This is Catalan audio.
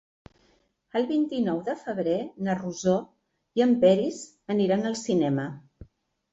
El vint-i-nou de febrer na Rosó i en Peris aniran al cinema.